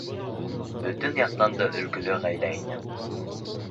— Бөтөн яҡтан да өлгөлө ғаилә ине.